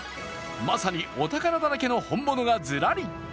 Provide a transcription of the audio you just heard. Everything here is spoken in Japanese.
まさにお宝だらけの本物がずらり。